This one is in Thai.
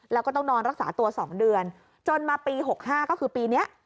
แล้วก็ต้องนอนรักษาตัว๒เดือนจนมาปี๖๕ก็คือปีนี้